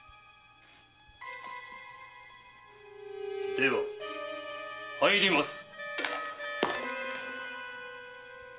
では入ります。